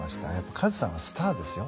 カズさんはスターですよ。